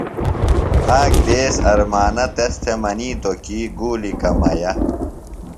آک دیس ارمانہ تس تھےۡ منِیتوۡ کی گُولیۡ کمیہ۔